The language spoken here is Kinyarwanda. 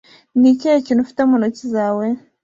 Ni ikihe kintu ufite mu ntoki zawe?